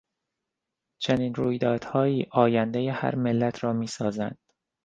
چنین رویدادهایی آیندهی هر ملت را میسازند.